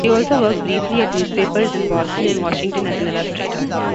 He also worked briefly at newspapers in Boston and Washington as an illustrator.